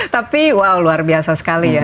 tapi wow luar biasa sekali ya